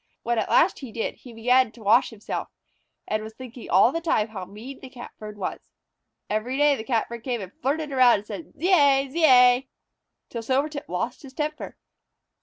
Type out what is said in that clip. When at last he did, and began to wash himself, he was thinking all the time how mean the Catbird was. Every day the Catbird came and flirted around and said, "Zeay! Zeay!" till Silvertip lost his temper.